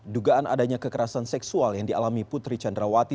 dugaan adanya kekerasan seksual yang dialami putri candrawati